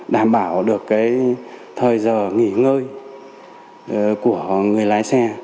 đảm bảo được cái thời giờ nghỉ ngơi của người lái xe